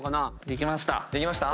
できました。